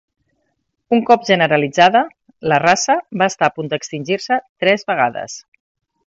Un cop generalitzada, la raça va estar a punt d'extingir-se tres vegades.